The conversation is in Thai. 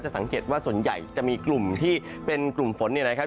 สังเกตว่าส่วนใหญ่จะมีกลุ่มที่เป็นกลุ่มฝนเนี่ยนะครับ